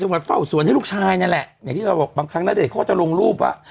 วัดเฝ้าสวนให้ลูกชายนั่นแหละอย่างที่เราบอกบางครั้งณเดชนเขาจะลงรูปว่า